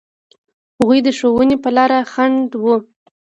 هغوی د ښوونې په لاره خنډ و.